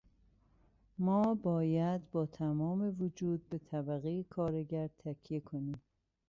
ما باید با تمام وجود به طبقهٔ کارگر تکیه کنیم.